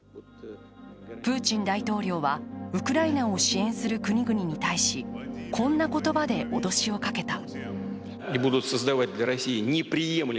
プーチン大統領はウクライナを支援する国々に対しこんな言葉で脅しをかけた。